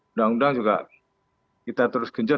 undang undang juga kita terus genjot